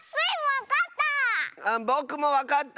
ぼくもわかった！